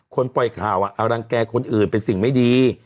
ปล่อยข่าวอรังแก่คนอื่นเป็นสิ่งไม่ดี